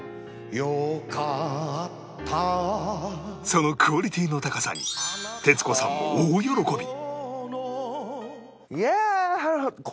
そのクオリティーの高さに徹子さんも大喜び！